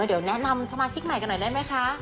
เดี๋ยวแนะนำสมาชิกใหม่กันหน่อยได้ไหมคะ